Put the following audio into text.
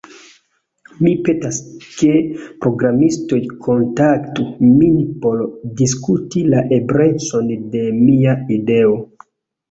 Mi petas ke programistoj kontaktu min por diskuti la eblecon de mia ideo.